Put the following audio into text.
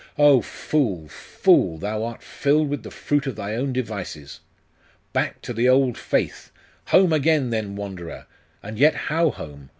Oh! fool, fool, thou art filled with the fruit of thy own devices! Back to the old faith! Home again, then wanderer! And yet how home?